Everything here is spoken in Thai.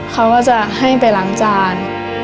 เขาก็จะให้ไปล้างจาน